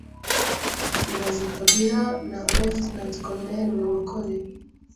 Ibaze Kabila na Lt Col Murokore